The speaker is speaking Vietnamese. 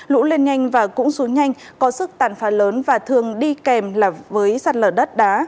lũ lên nhanh và cũng xuống nhanh có sức tàn phá lớn và thường đi kèm là với sạt lở đất đá